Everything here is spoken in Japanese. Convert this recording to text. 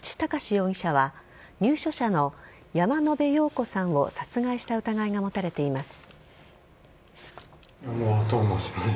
容疑者は入所者の山野辺陽子さんを殺害した疑いが持たれています。